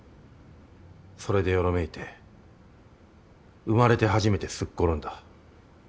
それでよろめいて生まれて初めてすっ転んだ。